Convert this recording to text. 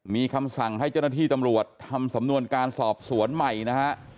มีคำสั่งให้เจ้าหน้าที่ตำรวจทำสำนวนการสอบสวนใหม่นะฮะ